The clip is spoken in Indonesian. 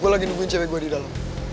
gue lagi nungguin cewek gue di dalam